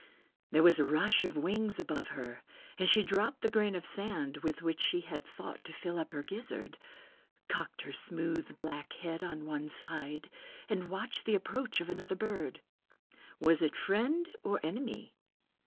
There was a rush of wings above her and she dropped the grain of sand with which she had thought to fill up her gizzard, cocked her smooth black head on one side and watched the approach of another bird. Was it friend or enemy?